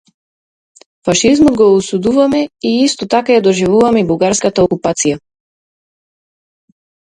Фашизмот го осудувавме и исто така ја доживувавме и бугарската окупација.